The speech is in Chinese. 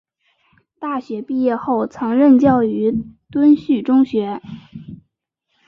大学毕业后曾任教于敦叙中学。